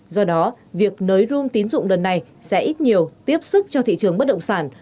do đó việc nới rom tín dụng lần này sẽ ít nhiều tiếp sức cho thị trường bất động sản